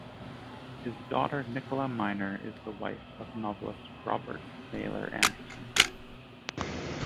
His daughter Nicola Miner is the wife of novelist Robert Mailer Anderson.